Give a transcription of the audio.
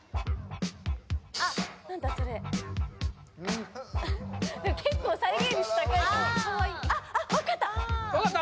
あ何だそれ結構再現率高いかもああ分かった分かった？